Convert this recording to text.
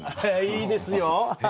いいですよ！